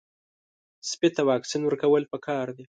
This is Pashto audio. سپي ته واکسین ورکول پکار دي.